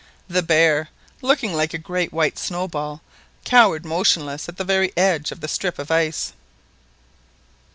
The bear, looking like a great white snowball, cowered motionless at the very edge of the strip of ice.